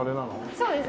そうです。